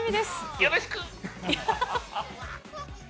よろしく。